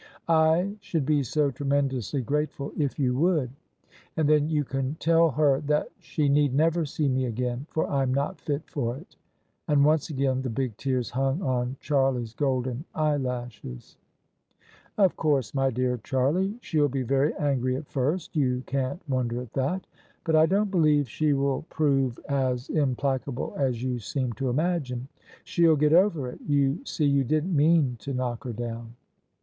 I should be so tremendously grateful if you would! And then you can just tell her that she need never see me again, for I'm not fit for it." And once again the big tears hung on Charlie's golden eyelashes. " Of course, my dear Charlie, she'll be very angry at first: you can't wonder at that : but I don't believe she will prove [ 307 ] J THE SUBJECTION as implacable as you seem to imagine. She'll get over it. You see you didn't mean to knock her down."